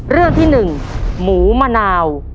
เรื่องที่๑หมูมะนาว